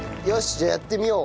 じゃあやってみよう。